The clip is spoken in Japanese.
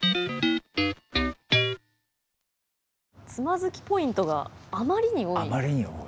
つまずきポイントがあまりに多い。